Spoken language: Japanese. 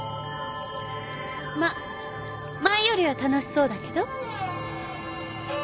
まっ前よりは楽しそうだけど。